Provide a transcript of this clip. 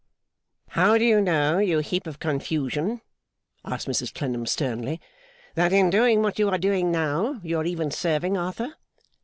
'How do you know, you heap of confusion,' asked Mrs Clennam sternly, 'that in doing what you are doing now, you are even serving Arthur?